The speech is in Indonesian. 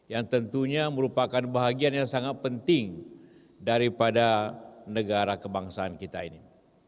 yang tentunya merupakan bahagian yang sangat penting daripada negara kebangsaan kita ini